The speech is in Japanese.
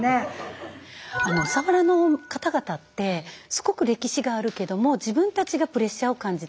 佐原の方々ってすごく歴史があるけども自分たちがプレッシャーを感じた